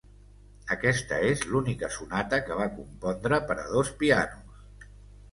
Aquesta és l'única sonata que va compondre per a dos pianos.